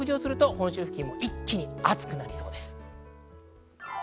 本州付近も一気に暑くなりそうです。